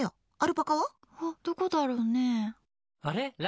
どこだろうね。